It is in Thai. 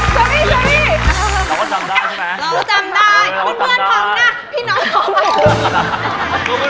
เราพวกเราจำได้